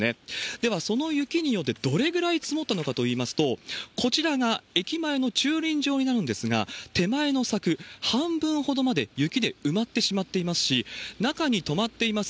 では、その雪によってどれぐらい積もったのかといいますと、こちらが駅前の駐輪場になるんですが、手前の柵、半分ほどまで雪で埋まってしまっていますし、中に止まっています